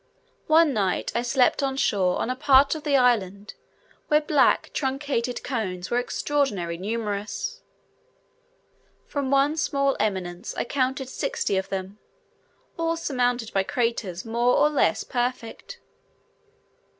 One night I slept on shore on a part of the island, where black truncated cones were extraordinarily numerous: from one small eminence I counted sixty of them, all surmounted by craters more or less perfect.